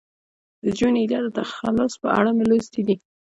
د جون ایلیا د تخلص په اړه مې لوستي دي.